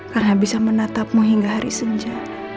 karena bisa menatapmu hingga hari senja